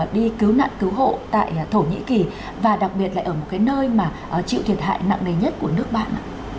đi cứu nạn cứu hộ tại thổ nhĩ kỳ và đặc biệt là ở một cái nơi mà chịu thiệt hại nặng nề nhất của nước bạn